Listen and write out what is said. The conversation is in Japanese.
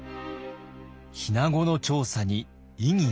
日名子の調査に異議が。